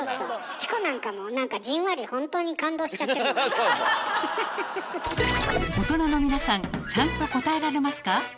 チコなんかも何かじんわり大人の皆さんちゃんと答えられますか？